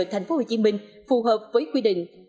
tp hcm phù hợp với quy định